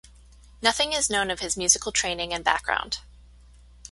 Nothing is known of his musical training and background.